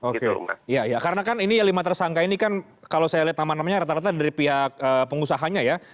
oke iya iya karena kan ini lima tersangka ini kan kalau saya lihat nama namanya rata rata dari pihak pengusahanya ya